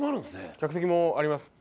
客席もあります。